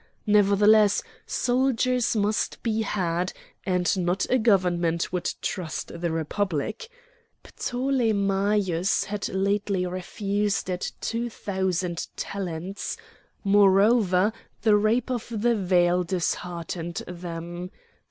Nevertheless soldiers must be had, and not a government would trust the Republic! Ptolemæus had lately refused it two thousand talents. Moreover the rape of the veil disheartened them.